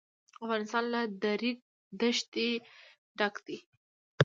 افغانستان له د ریګ دښتې ډک دی.